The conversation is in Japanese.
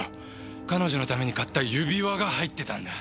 彼女のために買った指輪が入ってたんだ。